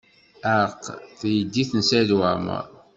Teɛreq teydit n Saɛid Waɛmaṛ.